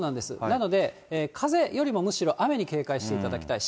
なので、風よりもむしろ雨に警戒していただきたい。